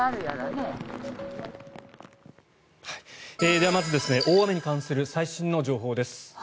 では、まず大雨に関する最新の情報です。